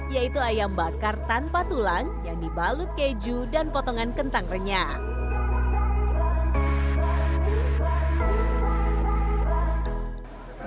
yaitu ayam bakar tanpa tulang yang dibalut keju dan potongan kentang renyah